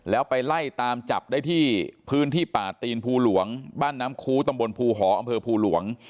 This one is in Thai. แล้วไปไล่ตามจับได้ที่พื้นที่ป่าตีนภูหลวงบ้านน้ำคูตำบลภูหออำเภอภูหลวง